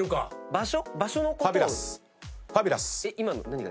場所。